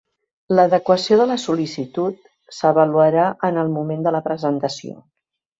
L'adequació de la sol·licitud s'avaluarà en el moment de la presentació.